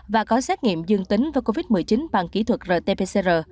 và có xét nghiệm dương tính với covid một mươi chín bằng kỹ thuật rt pcr